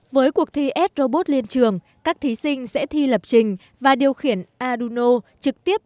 với cuộc thi ed robot liên trường các thí sinh sẽ thi lập trình và điều khiển aduno trực tiếp